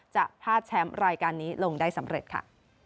จะพลาดแชมป์รายการนี้ลงได้สำเร็จค่ะ